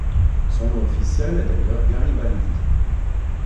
Son nom officiel est d'ailleurs Garibaldi.